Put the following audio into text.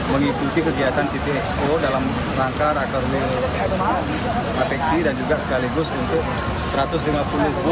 mengikuti kegiatan city expo dalam rangka rekening apeksi dan juga sekaligus untuk satu ratus lima puluh guru